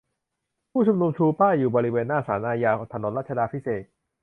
ผู้ชุมนุมชูป้ายอยู่บริเวณหน้าศาลอาญา ถนนรัชาดาภิเษก